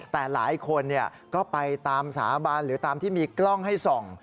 แต่หลายคนก็ไปตามสาบานหรือตามที่มีกล้องให้ส่อง